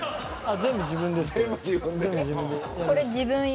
全部自分ですよ。